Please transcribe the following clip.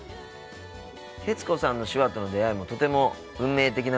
徹子さんの手話との出会いもとても運命的なものだったんだね。